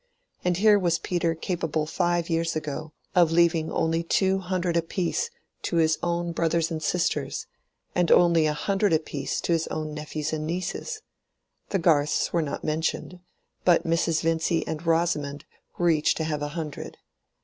And here was Peter capable five years ago of leaving only two hundred apiece to his own brothers and sisters, and only a hundred apiece to his own nephews and nieces: the Garths were not mentioned, but Mrs. Vincy and Rosamond were each to have a hundred.